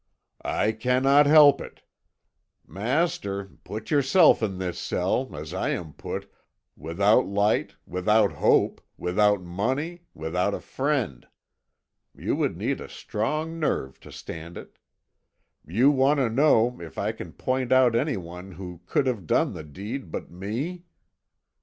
"I cannot help it. Master, put yourself in this cell, as I am put, without light, without hope, without money, without a friend. You would need a strong nerve to stand it. You want to know if I can point out anyone who could have done the deed but me?